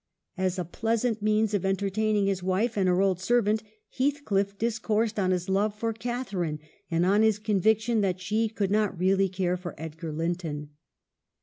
As a pleasant means of entertaining his wife and her old servant, Heathcliff discoursed on his love for Catharine and on his conviction that she could not really care for Edgar Linton.